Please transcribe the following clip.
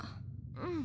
うん。